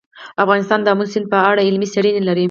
افغانستان د آمو سیند په اړه علمي څېړنې لري.